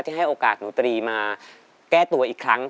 ให้โอกาสหนูตรีมาแก้ตัวอีกครั้ง